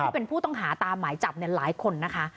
เป็นผู้ต้องหาตามหมายจับหลายคนนะคะ